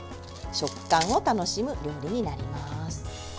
食感を楽しむ料理になります。